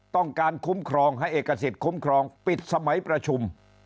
ต้องการคุ้มครองให้เอกสิทธิ์คุ้มครองปิดสมัยประชุม